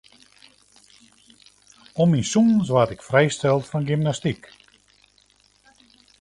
Om myn sûnens waard ik frijsteld fan gymnastyk.